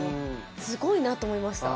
すごいなと思いました。